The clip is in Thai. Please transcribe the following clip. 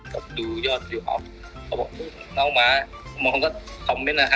ก็ดูยอดอยู่อ่ะเขาบอกน้องมามองก็คอมเมนต์อ่ะค่ะ